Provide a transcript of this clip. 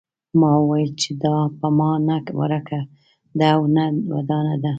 ما وویل چې دا په ما نه ورکه ده او نه ودانه ده.